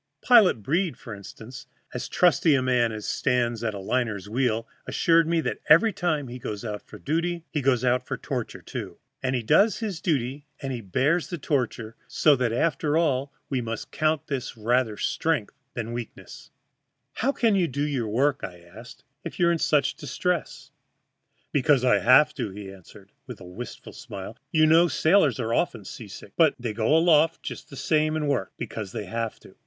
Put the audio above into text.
Pilot Breed, for instance, as trusty a man as stands at a liner's wheel, assured me that every time he goes out for duty he goes out for torture, too. And he does his duty and he bears the torture, so that after all we must count this rather strength than weakness. [Illustration: THE RESCUE OF THE OREGON'S PASSENGERS.] "How can you do your work," I asked, "if you are in such distress?" "Because I have to," he answered, with a wistful smile. "You know sailors are often seasick, but they go aloft just the same and work because they have to.